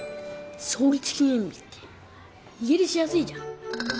創立記念日って家出しやすいじゃん